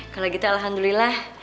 kalo gitu alhamdulillah